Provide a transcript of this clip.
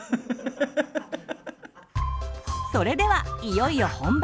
それではいよいよ本番。